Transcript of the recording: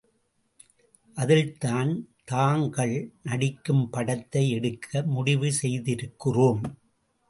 அதில்தான் தாங்கள் நடிக்கும் படத்தை எடுக்க முடிவுசெய்திருக்கிறோம்.